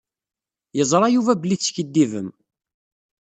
Yeẓṛa Yuba belli teskiddibem.